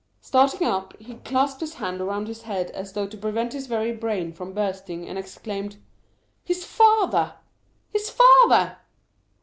Starting up, he clasped his hands around his head as though to prevent his very brain from bursting, and exclaimed, "His father! his father!"